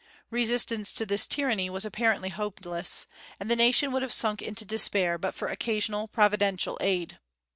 Resistance to this tyranny was apparently hopeless, and the nation would have sunk into despair but for occasional providential aid.